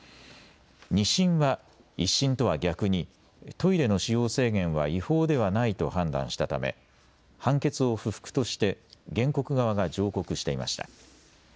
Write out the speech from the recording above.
２審は１審とは逆にトイレの使用制限は違法ではないと判断したため判決を不服として原告側が上告していました。